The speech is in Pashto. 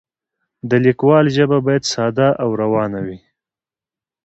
د لیکوال ژبه باید ساده او روانه وي.